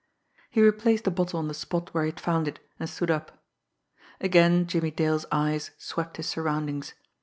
He replaced the bottle on the spot where he had found it, and stood up. Again, Jimmie Dale's eyes swept his surroundings.